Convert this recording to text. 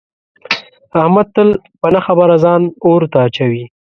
احمد تل په نه خبره ځان اور ته اچوي.